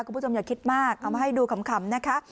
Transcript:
คุณผู้ชมอย่าคิดมากเอามาให้ดูขำนะคะ